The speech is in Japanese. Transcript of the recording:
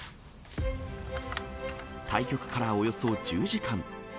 対局からおよそ１０時間。